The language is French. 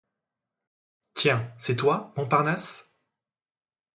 Tiens, c'est toi, Montparnasse?